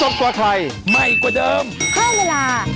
บ๊ายบาย